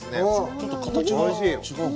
ちょっと形も違うよね。